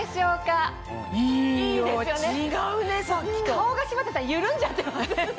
顔が柴田さん緩んじゃってます。